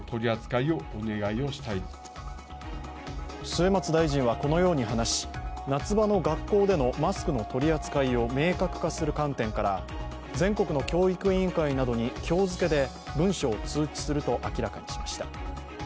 末松大臣はこのように話し夏場の学校でのマスクの取り扱いを明確化する観点から全国の教育委員会などに今日付で文書を通知すると明らかにしました。